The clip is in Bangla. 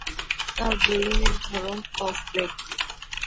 তার বোলিংয়ের ধরন অফ ব্রেক।